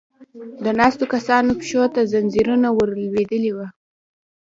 د ناستو کسانو پښو ته ځنځيرونه ور لوېدلې و.